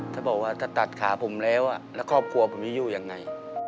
ถ้าบอกว่าถ้าตัดขาผมแล้วแล้วครอบครัวผมจะอยู่ยังไง